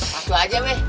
masuk aja be